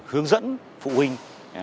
hướng dẫn phụ huynh